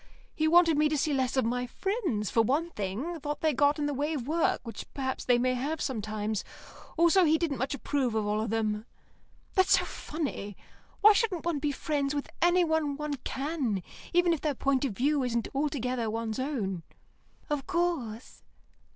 He wanted me to see less of my friends, for one thing; thought they got in the way of work, which perhaps they may have sometimes; also he didn't much approve of all of them. That's so funny. Why shouldn't one be friends with anyone one can, even if their point of view isn't altogether one's own?" "Of course."